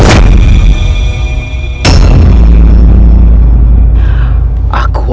sebelum aku kejalan